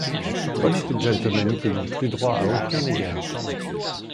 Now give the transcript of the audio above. Voilà des gentlemen qui n’ont plus droit à aucun égard